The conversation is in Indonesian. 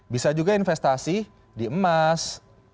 bisa juga investasi di emas